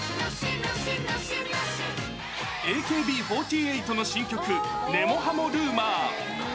ＡＫＢ４８の新曲、根も葉もＲｕｍｏｒ。